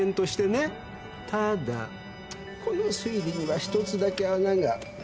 ただこの推理にはひとつだけ穴が。